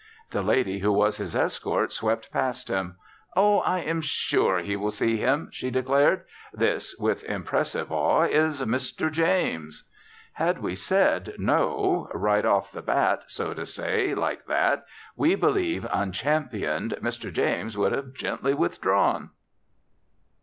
The lady who was his escort swept past him. "Oh, I am sure he will see him," she declared; "this" (with impressive awe) "is Mr. James." Had we said, No, right off the bat, so to say, like that, we believe (unchampioned) Mr. James would have gently withdrawn.